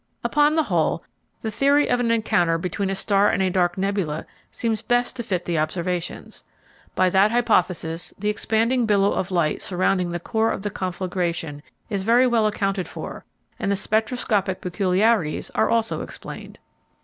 Upon the whole, the theory of an encounter between a star and a dark nebula seems best to fit the observations. By that hypothesis the expanding billow of light surrounding the core of the conflagration is very well accounted for, and the spectroscopic peculiarities are also explained.